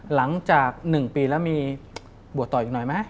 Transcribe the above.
หลังจาก๑ปีแล้วมีบวชต่ออีกหน่อยไหม